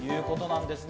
棒ですね。